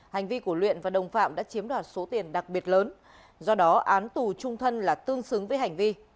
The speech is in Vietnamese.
hành vi của luyện và đồng phạm đã chiếm đoạt số tiền đặc biệt lớn do đó án tù trung thân là tương xứng với hành vi